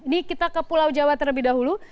ini kita ke pulau jawa terlebih dahulu